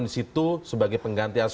disitu sebagai pengganti asurana